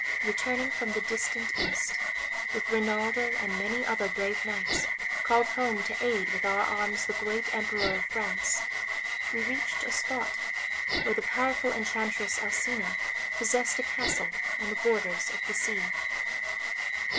Returning from the distant East, with Rinaldo and many other brave knights, called home to aid with our arms the great Emperor of France, we reached a spot where the powerful enchantress Alcina possessed a castle on the borders of the sea.